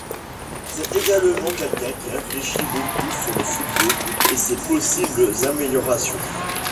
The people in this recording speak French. C'est également quelqu'un qui réfléchit beaucoup sur le football et ses possibles améliorations.